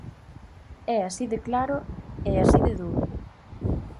É así de claro e así de duro.